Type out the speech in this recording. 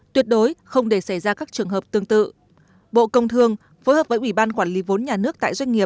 tuyệt đối không để xảy ra các trường hợp tương tự